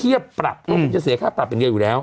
เทียบปรับเพราะมันจะเสียค่าปรับเป็นเงี้ยอยู่แล้ว